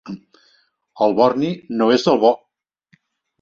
El borni no és el bo.